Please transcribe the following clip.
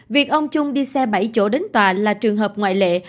việc ông trung đi xe bảy chỗ đến tòa là trường hợp ngoại lệ